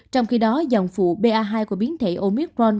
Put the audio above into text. trong khi đó dòng phụ ba hai của biến thể omicron